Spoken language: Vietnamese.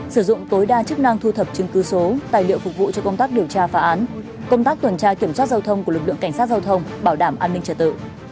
sử dụng tối đa chức năng thu thập chứng cứ số tài liệu phục vụ cho công tác điều tra phá án công tác tuần tra kiểm soát giao thông của lực lượng cảnh sát giao thông bảo đảm an ninh trật tự